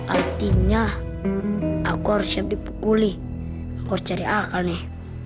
artinya aku harus siap dipukuli aku harus cari akal nih